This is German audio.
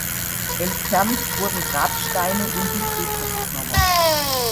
Entfernt wurden Grabsteine und die Friedhofsmauer.